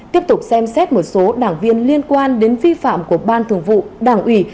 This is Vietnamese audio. tiếp tục xem xét một số đảng viên liên quan đến vi phạm của ban thường vụ đảng ủy